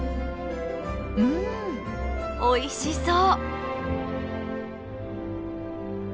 うんおいしそう！